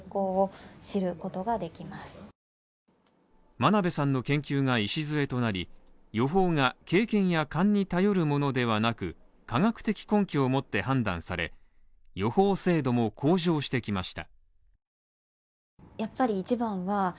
真鍋さんの研究が礎となり、予報が経験や勘に頼るものではなく科学的根拠をもって判断され、予報精度も向上してきました。